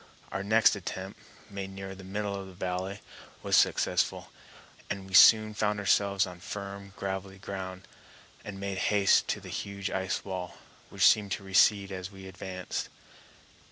Our next attempt, made nearer the middle of the valley, was successful, and we soon found ourselves on firm gravelly ground, and made haste to the huge ice wall, which seemed to recede as we advanced.